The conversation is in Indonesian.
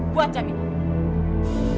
buat jam ini